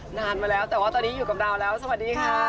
นานมาแล้วแต่ว่าตอนนี้อยู่กับเราแล้วสวัสดีค่ะ